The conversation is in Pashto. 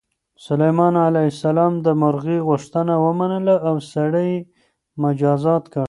سلیمان علیه السلام د مرغۍ غوښتنه ومنله او سړی یې مجازات کړ.